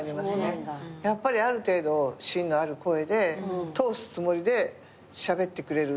やっぱりある程度芯のある声で通すつもりでしゃべってくれる。